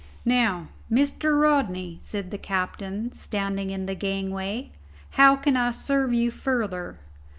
"Now, Mr. Rodney," said the captain, standing in the gangway, "how can I serve you further?"